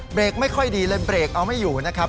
ไม่ค่อยดีเลยเบรกเอาไม่อยู่นะครับ